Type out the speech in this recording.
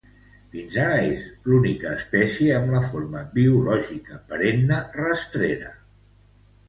Fins ara és l'única espècie amb la forma biològica perenne rastrera.